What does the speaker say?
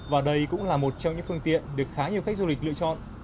và đây cũng là một trong những phương tiện được khá nhiều khách du lịch lựa chọn